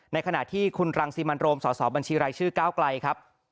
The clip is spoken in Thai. ในขณะที่คุณรังสิมันโรมสบรชก้าวกลัยครับ